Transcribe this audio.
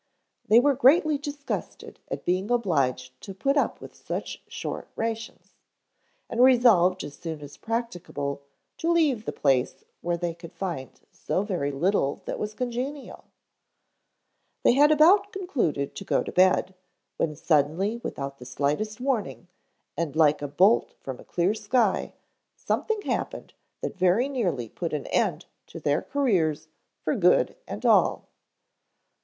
They were greatly disgusted at being obliged to put up with such short rations, and resolved as soon as practicable to leave a place where they could find so very little that was congenial. They had about concluded to go to bed, when suddenly without the slightest warning and like a bolt from a clear sky, something happened that very nearly put an end to their careers for good and all.